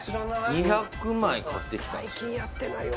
２００枚買ってきたんすよ